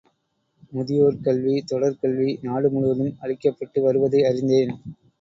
முதியோர் கல்வி தொடர் கல்வி நாடு முழுவதும் அளிக்கப்பட்டு வருவதை அறிந்தேன்.